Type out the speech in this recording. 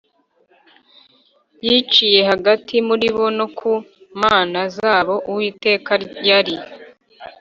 yiciye hagati muri bo no ku mana zabo Uwiteka yari